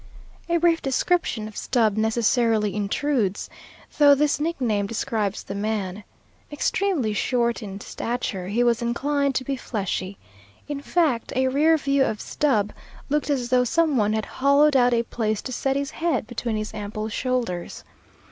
A brief description of Stubb necessarily intrudes, though this nickname describes the man. Extremely short in stature, he was inclined to be fleshy. In fact, a rear view of Stubb looked as though some one had hollowed out a place to set his head between his ample shoulders.